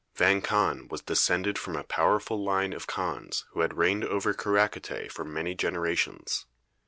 Vang Khan was descended from a powerful line of khans who had reigned over Karakatay for many generations.